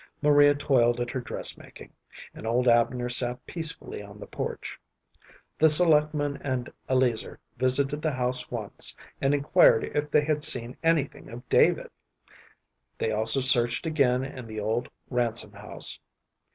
Maria toiled at her dress making, and old Abner sat peacefully on the porch. The selectman and Eleazer visited the house once, and inquired if they had seen anything of David; they also searched again in the old Ransom house.